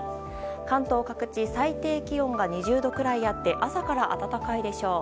関東各地最低気温が２０度くらいあって朝から暖かいでしょう。